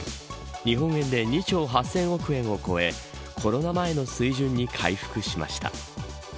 日本円で２兆８０００億円を超えコロナ前の水準に回復しました。